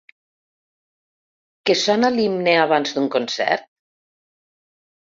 Que sona l’himne abans d’un concert?